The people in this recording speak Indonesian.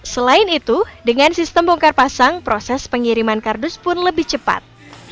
selain itu dengan sistem bongkar pasang proses pengiriman kardus pun lebih cepat